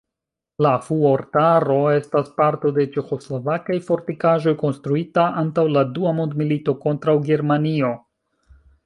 La fuortaro estas parto de ĉeĥoslovakaj fortikaĵoj konstruita antaŭ la dua mondmilito kontraŭ Germanio.